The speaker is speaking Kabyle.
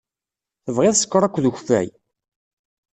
Tebɣiḍ sskeṛ akked ukeffay?